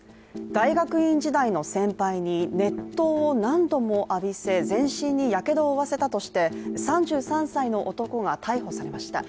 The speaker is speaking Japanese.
大学院時代の先輩に熱湯を何度も浴びせ全身にやけどを負わせたとして３３歳の男が逮捕されました。